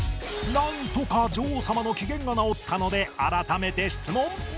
なんとか女王様の機嫌が直ったので改めて質問